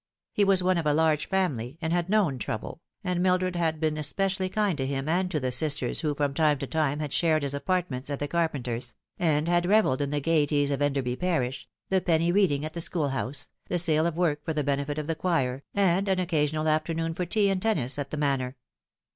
He waa one of a large family, and had known trouble, and Mildred had been especially kind to him and to the sisters who from time to time had shared his apartments at the carpenter's, and had revelled in the gaieties of Enderby parish, the penny reading at the schoolhouse, the sale of work for the benefit of the choir, and an occasional afternoon for tea and tennis at the Manor.